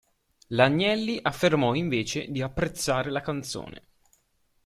L'Agnelli affermò invece di apprezzare la canzone.